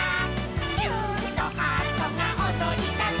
「キューンとハートがおどりだす」